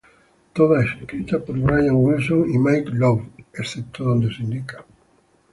Todas escritas por Brian Wilson y Mike Love, excepto donde se indica.